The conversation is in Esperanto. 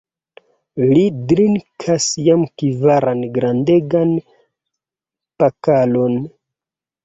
Li drinkas jam kvaran grandegan pokalon!